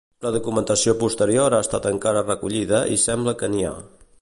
La documentació posterior ha estat encara recollida i sembla que n'hi ha.